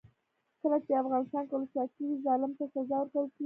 کله چې افغانستان کې ولسواکي وي ظالم ته سزا ورکول کیږي.